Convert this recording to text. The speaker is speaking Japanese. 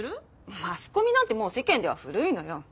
マスコミなんてもう世間では古いのよ。